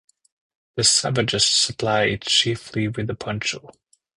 The savages supply it chiefly with the poncho.